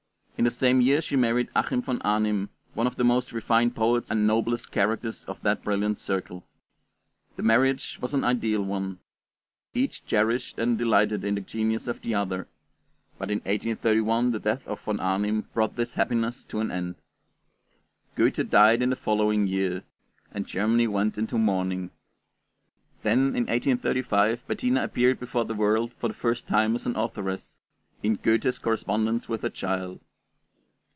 In the same year she married Achim von Arnim, one of the most refined poets and noblest characters of that brilliant circle. The marriage was an ideal one; each cherished and delighted in the genius of the other, but in 1831 the death of Von Arnim brought this happiness to an end. Goethe died in the following year, and Germany went into mourning. Then in 1835 Bettina appeared before the world for the first time as an authoress, in 'Goethe's Correspondence with a Child.'